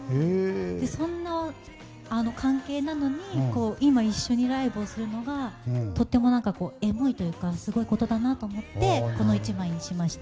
そんな関係なのに今、一緒にライブをするのがとてもエモいというかすごいことだなと思ってこの１枚にしました。